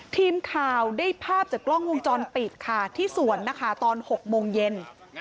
ทีมข่าวได้ภาพจากกล้องวงจรปิดค่ะที่สวนนะคะตอน๖โมงเย็น